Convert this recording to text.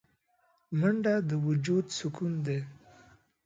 منډه د وجود سکون دی